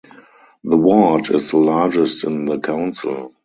The ward is the largest in the council.